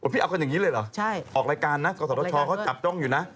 พี่เอากันอย่างนี้เลยเหรอออกรายการนะกศชเขาจับจ้องอยู่นะ